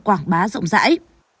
quảng bá rộng rãi